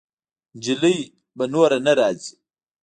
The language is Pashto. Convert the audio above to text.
جلۍ به نوره نه راځي.